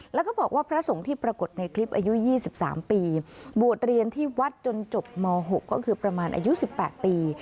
แล้วก็บอกว่าพระสงฆ์ที่ปรากฏในคลิปอายุ๒๓ปีบวชเรียนที่วัดจนจบม๖ก็คือประมาณอายุ๑๘ปี